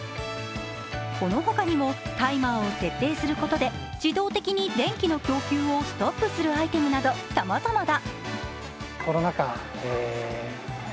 この他にも、タイマーを設定することで自動的に電気の供給をストップするアイテムなどさまざまだ。